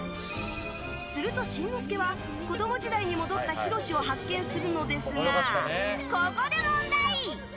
すると、しんのすけは子供時代に戻ったひろしを発見するのですがここで問題！